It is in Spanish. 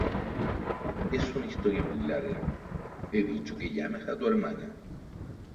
es una historia muy larga . he dicho que llames a tu hermana .